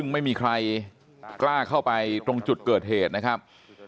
ไม่มีใครกล้าเข้าไปตรงจุดเกิดเหตุนะครับ